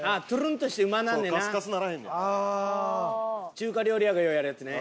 中華料理屋がようやるやつね。